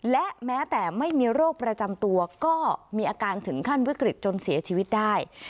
และแม้แต่ไม่มีโรคประจำตัวก็มีอาการถึงขั้นวิกฤตจนเสียชีวิตได้